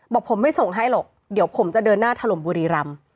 บอกผมไม่ส่งให้หรอกเดี๋ยวผมจะเดินหน้าถล่มบุรีรำ